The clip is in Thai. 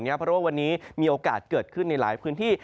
เพราะว่าวันนี้มีโอกาสเกิดขึ้นในหลายพื้นที่